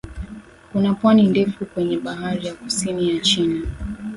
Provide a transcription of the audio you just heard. Kuna pwani ndefu kwenye Bahari ya Kusini ya China